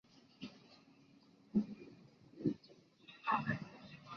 新尖额蟹属为膜壳蟹科新尖额蟹属的动物。